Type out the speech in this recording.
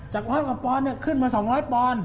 จาก๑๐๐ปอนขึ้นมา๒๐๐ปอน